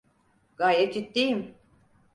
Gayet ciddiyim.